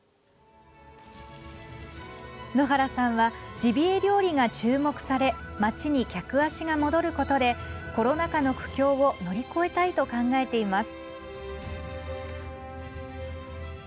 野原さんはジビエ料理が注目され町に客足が戻ることでコロナ禍の苦境を乗り越えたいと考えています。